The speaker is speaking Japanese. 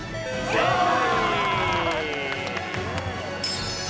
正解！